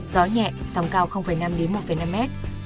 gió nhẹ sóng cao năm một năm m